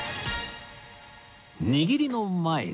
握りの前に